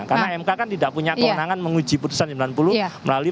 karena mk kan tidak punya kewenangan menguji putusan sembilan puluh melalui presiden